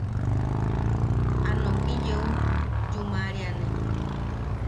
A noki yeu yuMaríane.